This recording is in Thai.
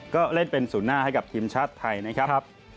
ก็เล่นเป็นศูนย์หน้าให้กับทีมชาติไทยนะครับ